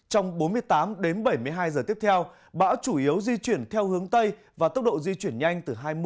trong bốn mươi tám đến bảy mươi hai giờ tiếp theo bão chủ yếu di chuyển theo hướng tây và tốc độ di chuyển nhanh từ hai mươi